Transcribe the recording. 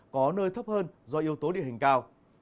có nơi thấp hơn do yếu tố địa hình cao